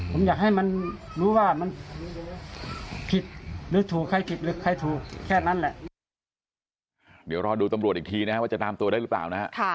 ผมอยากให้มันรู้ว่ามันผิดหรือถูกใครผิดหรือใครถูกแค่นั้นแหละ